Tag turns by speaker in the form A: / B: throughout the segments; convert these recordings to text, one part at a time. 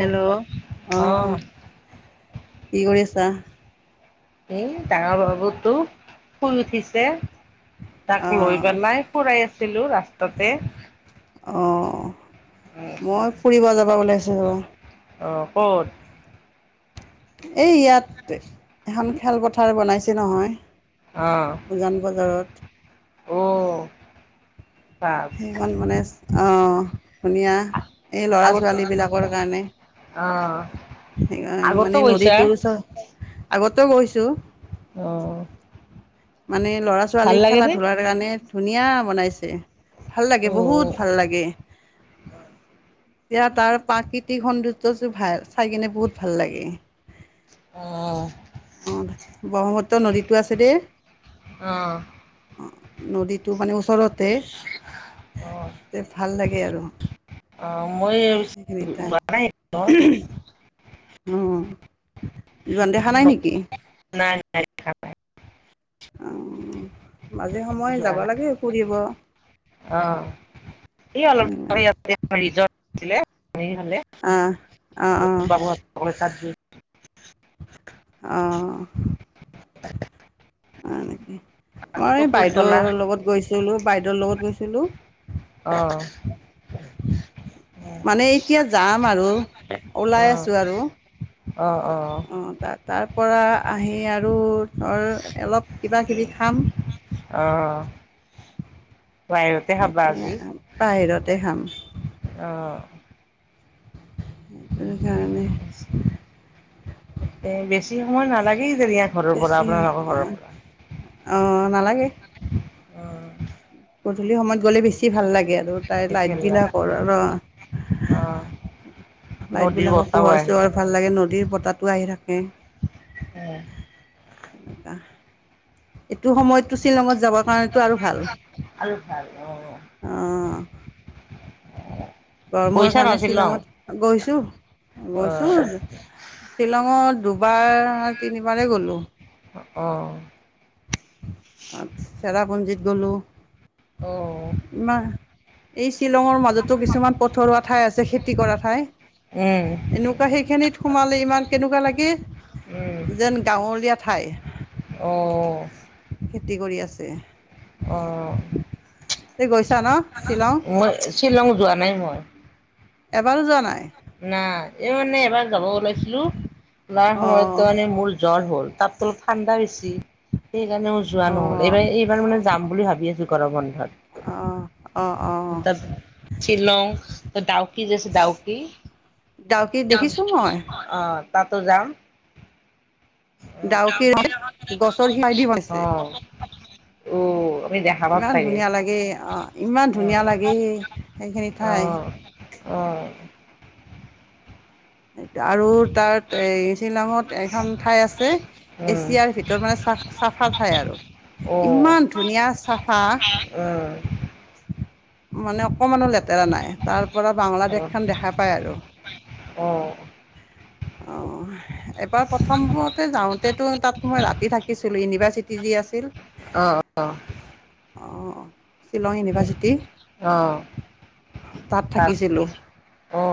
A: Hello অ
B: অ'
A: কি কৰি আছা
B: এ ডাঙৰ বাবুতো শুই উঠিছে তাক লৈ
A: অহ
B: পেল নাই ফুৰাই আছ ছিলো ৰা ততে
A: অহ মই ফুৰিব যাবা ওলাইছো য
B: অ ক'ত
A: এই ইয়াত এখন খেলপথাৰ বনাইছে নহয় উজান বজাৰত
B: আহ
A: সমান মানে আহ ধুনীয়া এই ল'ৰা
B: আগতো
A: ছোৱালীবিলাকৰ কাৰণে
B: অ'
A: সকাৰ
B: আগতো
A: মানে
B: গৈছা
A: নদীটো আগত গৈছোঁ
B: আহ
A: মানে ল'ৰা ছোৱালী খেলা ধূলাৰ কাৰণে ধুনীয়া বনাইছে ভাল লাগে
B: উম
A: বহুত ভাল লাগে এতিয়া তাৰ প্ৰাকৃতিক সৌন্দ্যটোৰ ভাল চাই কিনে বহুত ভাল লাগে। আহ
B: অ'
A: ব্ৰক্ষ্মপুত্ৰ নদীতটো আছে দেই
B: আহ
A: নদীতো মানে ওচৰতে
B: অ'
A: তে ভাল লাগে আৰু
B: অ' মই
A: সেইখিনাই
B: যোৱা নাই
A: উহ যৈন দেখা নাই নেকি?
B: নাই নাই খাপাই
A: অঁ মাজে সময়ে যাব লাগে ফুৰিব
B: অ কি অলপ [unintelligible] ৰিজৰ্ট আছিলে। খালি হ'লে
A: অঁ অঁ
B: আৰু বাবু এচাত দিম। [unintelligible]
A: আহঁ
B: [unintelligible]
A: অ নিকি মই
B: ক'ত
A: এই
B: ক'ত গ'লা?
A: বাইদেউৰ লগত গৈছিলোঁ বাইদেউৰ লগত গৈছিলোঁ।
B: [inaudible]
A: মানে এতিয়া যাম আৰু ওলাই
B: অ',
A: আছোঁ আৰু
B: অ', অ',
A: অঁ তাত তাৰপ আহি আৰু আৰু অলপ কিবা কিবি খাম।
B: [inaudible]
A: খাই
B: খাবা
A: কিনে
B: আজি?
A: বাহিৰতে খাম।
B: অ',
A: সেইকাৰণে
B: বেছি মই নালাগে কিজানি ইয়াৰ ঘৰৰ পৰা
A: বেছি অ
B: আপোনালোকৰ ঘৰৰ পৰা?
A: আহ নালাগে।
B: অ',
A: গধূলি সমত গ'লে বেছি ভাল লাগে। আৰু তাই
B: বেছি
A: লাইট
B: নালাগে।
A: বিলাকৰ
B: অ',
A: লাইট
B: নদীৰ
A: বিলাকৰ
B: বতাহও
A: পোহৰ
B: আহে।
A: চোহৰ ভাল লাগে নদীৰ, বতাহ থাকে। পুৱাই থাকে।
B: উম
A: তেনেকোৱা এইটো সময়তটো শ্বিলঙত যাবৰ কাৰণেতো আৰু ভাল
B: আৰু ভাল
A: অঁ
B: অ
A: গৰমৰ
B: গৈছা ন
A: কাৰণে
B: শ্বিলং?
A: শ্বিলঙত গৈছো গৈছো
B: অ',
A: শ্বিলঙত দু দুবাৰ তিনিবাৰে গলো।
B: অ',
A: আচছ চাৰ ব [inaudible] যত গ'লোঁ
B: অ', উম,
A: [inaudible] নাই। এই শ্বিলঙৰ মাজতো কিছুমান পথৰুৱা ঠাই আছে সেই খেতি কৰা ঠাই। এনেকুৱা সেইখিনিত সোমালে ইমান কেনেকুৱা লাগে
B: উম,
A: যেন গাঁৱলীয়া ঠাই।
B: অ',
A: খেতি কৰি আছে।
B: অহ।
A: তে গৈছ ছানা শ্বিলং?
B: শ্বিলং যোৱা নাই মই।
A: এবাৰো যোৱা নাই?
B: উম এইমানে এইবাৰ যাব ওলাইছিলো নাই হোৱা
A: অঁ
B: সময়ত মানে মোৰ জ্বৰ হ'ল। তাত ত অলপ ঠাণ্ডা বেছি। সেইকাৰণেও যোৱা নহল
A: অঁ
B: এইবাৰ এইবাৰ মানে যাম বুলি ভাবি আছো গৰম ব
A: অঁ অঁ অঁ
B: ত শ্বিলং ডাওকি যেছে ডাওকি
A: দাওকি দেখিছো মই।
B: তাতো যাম।
A: ডাউকি গছৰ সিৰাইদি বনাইছে
B: অ অ অ
A: ইমান ধুনীয়া লাগে আহ ইমান ধুনীয়া লাগে সেইখিনি
B: অ অ
A: ঠাই
B: অ
A: সেইটা আৰু তাত এই শ্বিলঙত এখন ঠাই আছে
B: উম
A: এছিয়াৰ ভিতৰত মানে চাফা ঠাই আৰু
B: অ উম
A: ইমান ধুনীয়া চাফা
B: অ
A: মানে অকণমানো লেতেৰা নাই তাৰ পৰা বাংলাদেশখন দেখা পায় আৰু অ এবাৰ প্ৰথমতে যাওঁতেতো তাত মই ৰাতি থাকিছিলো ইউনিভাৰ্চিটি যি আছিল
B: অ অ অ
A: অ শ্বিলং ইউনিভাৰ্চিটি
B: অ
A: তাত থাকিছিলো
B: অ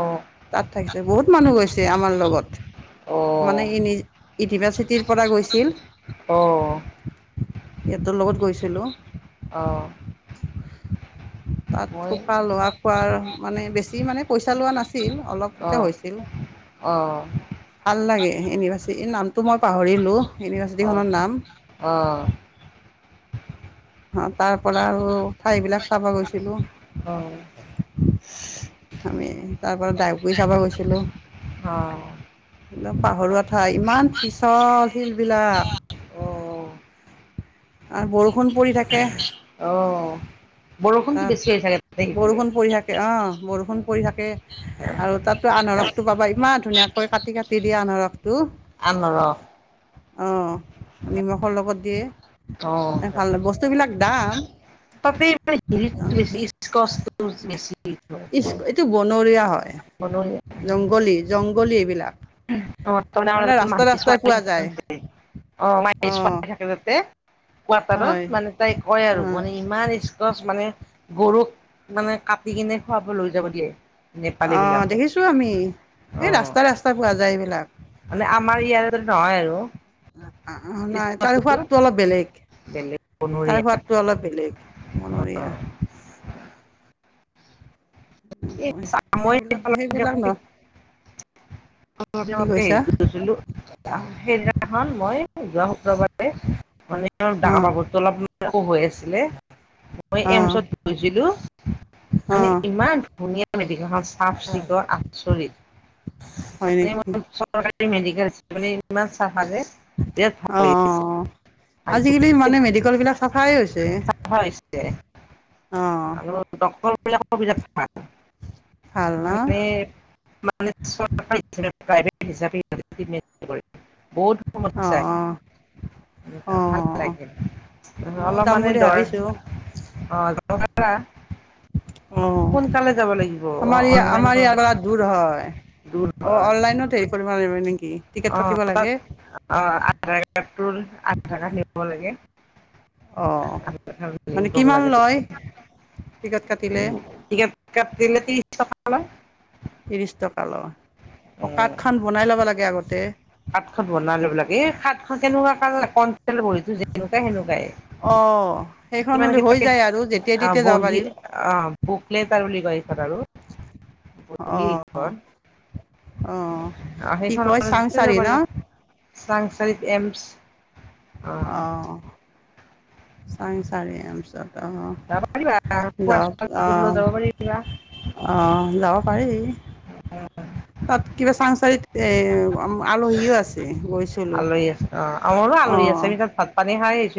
A: তাত থাকি মানুহ গৈছে আমাৰ লগত মানে
B: অ
A: ই নিজি ইউনিভাৰ্চিটিৰ পৰা গৈছিল
B: অ',
A: হেতৰ লগত গৈছিলো
B: অ
A: তাত
B: মই
A: থকা লোৱা খোৱাৰ মানে বেছি মানে পইচা লোৱা নাছিল
B: অ',
A: অলপতে
B: অ',
A: হৈছিল
B: অ', অ',
A: ভাল লাগে এনিবাচি নাম টো মই পাহৰিলোঁ
B: অ',
A: ইউনিভাৰ্চিটিখনৰ নাম
B: অ',
A: অঁ তাৰ পৰা আৰু ঠাইবিলাক চাবা গৈছিলো
B: অ',
A: আমি তাৰ পৰা ডাইবুৰি চাব গৈছিলোঁ একদম পাহৰৰুোৱা ঠাই ইমান পিছল শিলবিলাক। আৰু বৰষুণ পৰি থাকে।
B: অ', বৰষুণতো বেছি
A: তাত
B: হৈ চাগে তাতে সিফালে
A: বৰষুণ পৰি থাকে অঁ বৰষুণ পৰি থাকে। আৰু তাতো আনাৰসটো পাবা ইমান ধুনীয়াকৈ কাটি কাটি দিয়া ৰসটো
B: আনাৰস
A: অঁ নিমখৰ লগত দিয়ে ভাল বস্তু বিলাক দাম
B: পতোনে বেছি বেছি হয়।
A: ইচ্, এইটো বনৰীয়া হয় জংগলী জংগলী এইবিলাক
B: অঁ
A: মানে ৰাস্তা
B: মেশাল
A: ৰাস্তাই পোৱা যায়
B: [inaudible] অ মাহশ
A: অঁ
B: থাকতে
A: হয়
B: কোৱাৰ্টাৰত মানে তাই কয় আৰু
A: অঁ
B: মানে ইমান স্কচ মানে গৰুক মানে কাটি কিনে খুৱাব লৈ যাব দিয়ে নেপালী
A: অঁ
B: বিলাকক
A: দেখিছো আমি এই
B: অ',
A: ৰাস্তা- ৰাস্তা পোৱা যায় লাখ
B: মানে আমাৰ ইয়াত নহয় আৰু
A: নাই তাৰ
B: বস্তুটো
A: সোৱাদটো অলপ বেলেগ
B: বেলেগ
A: তাৰ
B: বনৰীয়া
A: সোৱাদটো অলপ বেলেগ বনৰীয়া সেইবিলাক সেইবিলাক ন
B: সেইদিনাখন
A: কি কৈছা
B: গৈছিলো সেইদিনাখন মই যোৱা শুক্ৰবাৰে মানে ডাঙৰ
A: অঁ
B: মানে অলপ একো হৈ আছিলে মই এওঁ
A: অঁ
B: ওচৰত গৈছিলো। মানে
A: অঁ
B: ইমান
A: হয় নেকি
B: [unintelligible] মেডিকেল মানে ইমান চাহফালে।
A: অঁ অঁ। আজিকালি মানে মেডিকেল বিলাক চাফাই হৈছে
B: হৈছে
A: অ
B: [unintelligible] বিলাকৰ সুবিধা টো পায়
A: ভাল ন
B: মানে মানে চছিল [unintelligible] প্ৰাইভেট হিচাপে [unintelligible] বহুত
A: অ
B: সমস্যা
A: অ
B: ভাল লাগিল
A: ময়ো
B: অলপ
A: যাম
B: মানে
A: বুলি
B: দৰ
A: ভাবিছোঁ
B: অ নোৱাৰা
A: অঁ আমাৰ ই
B: অনলাইন
A: আমাৰ [unintelligible] দূৰ হয়
B: দূৰ
A: অঁ অনলাইনত হেৰি কৰিব লাগিব নেকি টিকেট
B: অ
A: কাটিব লাগে
B: অ আ পেট্ৰল আ ভাড়া নিব লাগে
A: অহ মানে
B: লিংক কৰিব
A: কিমান
B: লাগে
A: লয় টিকট কাটিলে।
B: হ্ল
A: ত্ৰিশ টকা লয়
B: অ
A: অঁ কাৰ্ডখন বনাই ল'ব লাগে আগতে
B: কাত খন বনাই লব লাগে এ কাত খন কেনেকুৱা [unintelligible] বহীতো যেনেকুৱাই সেনেকুৱাই
A: অঁ সেইখন হ'লে হৈ যায় আৰু যেতিয়াই
B: [unintelligible] অ
A: তেতিয়াই যাব
B: বহি
A: পাৰিম
B: অ বোকলে তাৰ বুলি কয় এইখন আৰু বহি এইখন
A: অ
B: অ',
A: কি
B: সেইখন
A: কয় চাং
B: যাব
A: ছাৰি
B: পাৰি
A: না
B: চাংচাৰিত এমছ
A: অ--হ চংসাৰি এইমছ ত।
B: যাব পাৰিবা
A: অঁ য
B: যাব পাৰিবা
A: অঁ অঁ যাব পাৰি তাত কিবা চাংচাৰিত এ আলহীও আছে গৈছিলো।
B: মোৰো আলহী আছে ভিতত ভাত পান- [unintelligible]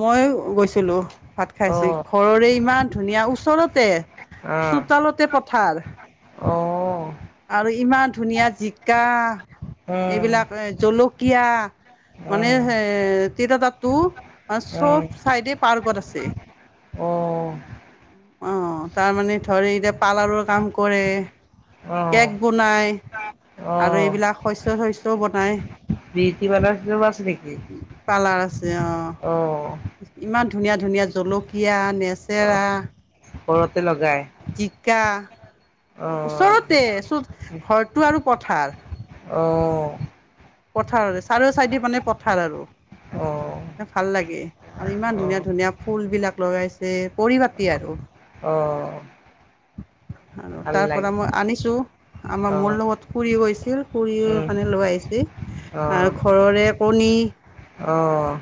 A: মই গৈছিলো ভাত খাইছ
B: অ',
A: ঘৰৰে ইমান ধুনীয়া ওচৰতে চোতালতে পত- থাৰ
B: অ--হ
A: আৰু ইমান ধুনীয়া জিকা
B: উম,
A: এইবিলাক এ জলুক। কিয়া মানে
B: উম,
A: এ তিত তাত। তো অ চব চাইডে পাৰ্গত আছে
B: উম,
A: অ তাৰমানে ধৰি এতিয়া পাৰ্লাৰৰ কাম কৰে
B: অ', অ',
A: কেক বনাই আৰু এইবিলাক শস্য শস্যও বনায়
B: প্ৰীতি নামৰ সিও আছে নেকি
A: পাৰ্লাৰ আছে অ
B: অ',
A: ইমান ধু ধুনীয়া ধুনীয়া জলকীয়া
B: অ',
A: লেচেৰা
B: ঘৰতে লগাই
A: জিকা
B: অ',
A: ওচৰতে চ ঘৰটো আৰু পথাৰ
B: অহ
A: পথাৰত আছে চাৰো চাইডি মানে পথাৰ আৰু ভাল লাগে আৰু ইমান ধুনীয়া
B: অ',
A: ধুনীয়া ফুলবিলাক লগাইছে। পৰিপাটি আৰু
B: অ',
A: আৰু
B: ভাল
A: তাৰ পৰা
B: লাগে
A: মই আনিছোঁ আমাৰ মোৰ
B: অ',
A: লগত খুৰিও গৈছিল খুৰিও
B: উম,
A: মানে লৈ আহিছিল আৰু
B: অ',
A: ঘৰৰে কণী
B: অ',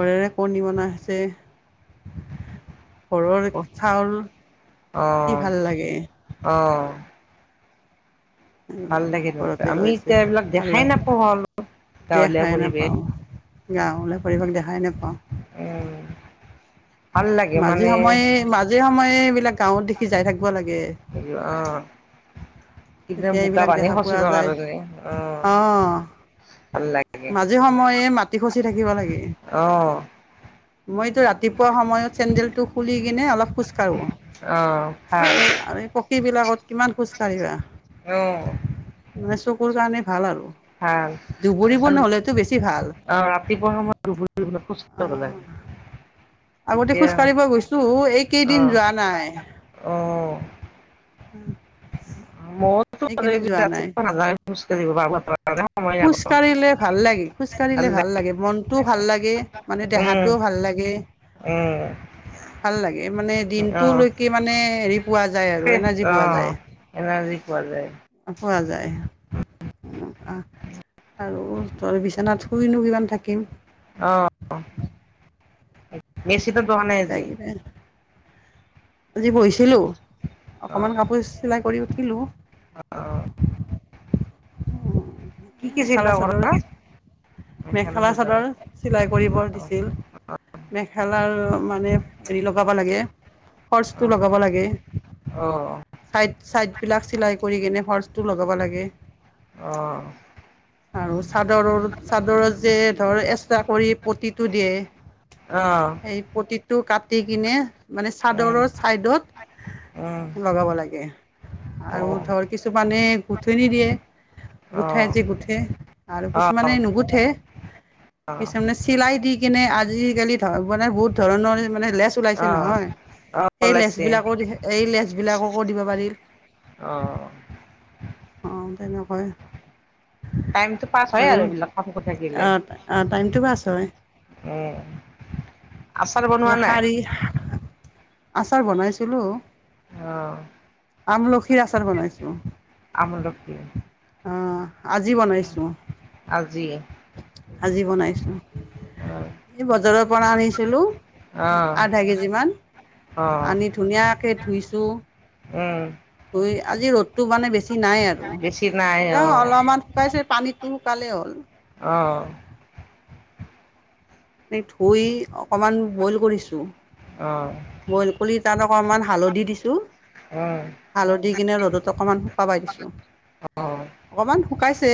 A: ঘৰেৰে কণী বনা হৈছে ঘৰৰ
B: ক-
A: চাউল কি
B: অ',
A: ভাল লাগে।
B: অ', ভাল
A: এইবিলাক
B: লাগে ন
A: ঘৰতে
B: আমি
A: লৈছে
B: এতিয়া এইবিলাক
A: ভাল
B: দেখাই
A: লাগে
B: নাপোও হলো গাঁৱলীয়া
A: দেখাই
B: পৰিৱেশ
A: নাপাওঁ গাঁৱলীয়া পৰিৱেশ দেখাই নোপাওঁ
B: উ
A: মাজে সময়ে মাজে সময়ে বি এইবিলাক গাঁৱত দেখি যাই থাকব লাগে।
B: অ কিবা
A: তেতিয়া
B: বোকা
A: এইবিলাক
B: পানী
A: দেখা পোৱা
B: খচিবৰ
A: যায়
B: কাৰণে অ',
A: অহ
B: ভাল লাগে
A: মাজে সময়ে মাটি খচি থাকিব লাগে
B: অ',
A: মইতো ৰাতিপুৱা সময়ত চেন্দেলটো খুলি কিনে অলপ খোজকাঢ়োঁ
B: অ', ভাল
A: আৰু এই পকীবিলাকত কিমান খো খোজকাঢ়িবা।
B: অহ
A: মানে চকুৰ কাৰনে
B: ভাল আৰু
A: নহ'লেতো বেছি ভাল।
B: অ ৰাতিপুৱা সময়ত ব খোজ তই গলে
A: অ' আগতে খোজ কাঢ়িব গৈছো এই কেইদিন যোৱা নাই।
B: অ', অ',
A: উম
B: মোৰ তো ৰাতি ভাল নমস্কাৰ বাব
A: খোজ কাঢ়িলে ভাল লাগে খোজকাঢ়িলে ভাল লাগে মনটোও ভাল লাগে মানে
B: লাগে উম
A: দেহাটোও ভাল লাগে
B: উম
A: ভাল লাগে মানে
B: অহ
A: দিনটোলৈকে মানে হেৰি। পোৱা যায় আৰু
B: সেই
A: এনাৰজী পোৱা
B: অহ
A: যায়।
B: এনাৰ্জি পোৱা যায়।
A: পোৱা যায় এনেকুৱা আৰু ধৰ বিচনাত শুইনো কিমান থাকিম?
B: অ' অ'।
A: কিবা
B: [unintelligible]
A: কিবি আজি বহিছিলোঁ
B: অহ
A: অকণমান কাপোৰ চিলাই কৰি উঠিলো।
B: অহ কি
A: এই
B: কি
A: মেখেলা
B: চিলোৱা
A: চাদৰ,
B: কৰা
A: মেখেলা চাদৰ চিলাই কৰিব
B: অহ
A: দিছিল। মেখেলা মানে হেৰি লগাব লাগে। শৰচটো লগাব লাগে
B: অহ
A: চাইড চাইড বিলাক চিলাই, কৰি কিনে হৰৰ্চটো লগাব লাগে।
B: অ।
A: আৰু চাদৰৰ চাদৰ যে ধৰ এক্সট্ৰা কৰি পটিটো দিয়ে,
B: অহ
A: এই প্ৰতিত টো কাটি কিনে? মানে
B: উম
A: চাদৰৰ ছাইডত
B: উম
A: লগাব লাগে, আৰু
B: অহ
A: ধৰ কিছুমানে গুঠনি দিয়ে,
B: অহ
A: গোঠাই। যি গুঠে আৰু
B: অহ অহ
A: কিছুমানে নুগুঠে এইছামনে চিলাই দি, কেনে আজিকালি ধ মানে বহুত ধৰণৰ মানে লেচ ওলাইছে
B: অহ
A: নহয়।
B: অহ
A: সেই
B: ওলাইছে
A: লেঞ্চবিলাকো দি এই লেঞ্চবিলাককো দিব পাৰি।
B: অহ
A: অঁ তেনেকুৱাই।
B: টাইমতটো পাছ হয় আৰু এইবিলাক কথা কৈ থাকিলে।
A: তই?
B: উম' আচাৰ বনোৱা
A: কিবা
B: নাই?
A: শাৰী আচাৰ বনাইছিলো
B: অ',
A: আমলখিৰ আচাৰ বনাইছো।
B: আমলখি।
A: অঁ আজি বনাইছোঁ
B: আজি।
A: আজি বনাইছোঁ
B: অ',
A: এই বজাৰৰ পৰা আনিছিলোঁ
B: অ',
A: আধা কেজি মান
B: অ',
A: আনি ধুনীয়াকে ধুইছো দু।
B: উম।
A: আজি ৰ'দত মানে বেছি। নাই আৰু
B: বেছি নাই
A: তেওঁ
B: অ',
A: অলপমান শুকাইছে পানীত- তোৰ কালে হ'ল।
B: অঁ।
A: মান ধুই অকমান বইল কৰিছো।
B: অ।
A: বইল কৰি তাত অকণমান হালধি দিছো।
B: হা।
A: কিনে ৰ'দত অকণমান শুকাবাই দিছো।
B: অ', উম,
A: অকণমান শুকাইছে,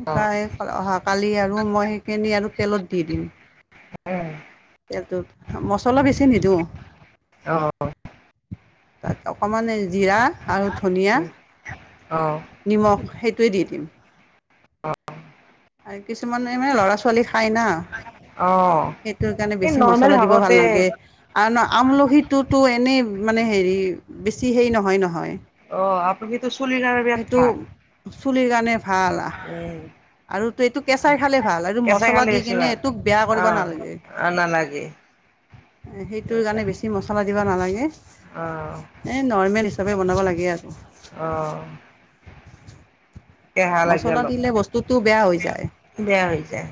A: শুকাই অহাকালি আৰু মই সেইখিনি আৰু তেলত দি দিম। তেলটোত মছলা বেছি নিদিওঁ।
B: অ',
A: তাত অকমান জিৰা আৰু ধনিয়া,
B: অ',
A: নিমখ সেইটোৱে দি দিম। আৰু কিছুমান মানে ল'ৰা ছোৱালী খাই না।
B: অ',
A: সেইটোৰ কাৰণে
B: এই
A: বেছি
B: নৰ্মেল
A: মচলা দিব ভাল
B: ভাৱতে
A: নালাগে। আৰু আমলখিটোতো এনেই মানে হেৰি বেছি হেই নহয় নহয়।
B: অ আমলখি- টো চুলি কাৰণে ভাল।
A: চুলি কানে- ভাল আহ,
B: উম,
A: আৰু ত এইটো কেঁচাই খালে ভাল আৰু
B: কেঁচাই
A: মচলা
B: খালে
A: দি
B: বেছি
A: কেনে
B: ভাল।
A: এইটোক বেয়া কৰিব
B: অ',
A: নালাগে।
B: অ', নালাগে।
A: সেইটোৰ কাৰণে বেছি মচলা দিব নালাগে।
B: অ',
A: এ নৰ্মেল চবেই বনাব লাগে আৰু।
B: অ', কেহা লাগে
A: মচলা
B: অলপ,
A: দিলে বস্তুটো বেয়া হৈ যায়।
B: বেয়া হৈ যায়।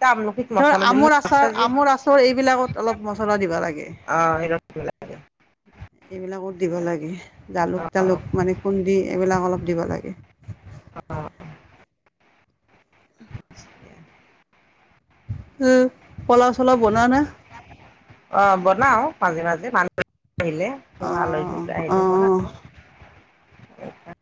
B: আমলখিত
A: ধৰ
B: মছলা দিলে
A: আমৰ আচাৰ
B: যে
A: আমৰ আচাৰ এইবিলাকত। অলপ মচলা দিবা লাগে।
B: অ।
A: এইবিলাকত দিব লাগে, জালুক, তালুক
B: অ'
A: মানে খুন্দি এইবিলাক অলপ দিব লাগে। উম পলাও চোলাও বনোৱা নে
B: অ বনাও মাজে, মাজে মানুহ- আহিলে আলহী
A: অঁ
B: আহিলে বনা
A: অঁ
B: অ।